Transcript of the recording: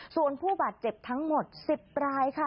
ส่วนผู้บาดเจ็บทั้งหมด๑๐รายค่ะ